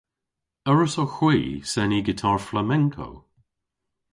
A wrussowgh hwi seni gitar flamenco?